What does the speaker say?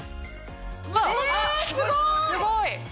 すごい。